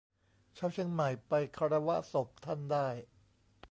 ชาวเชียงใหม่ไปคารวะศพท่านได้